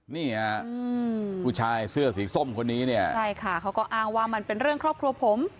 นี่ฮะผู้ชายเสื้อสีส้มคนนี้เนี่ยใช่ค่ะเขาก็อ้างว่ามันเป็นเรื่องครอบครัวผม